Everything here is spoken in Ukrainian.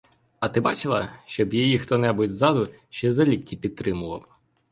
А ти бачила, щоб їх хто-небудь ззаду ще за лікті підтримував?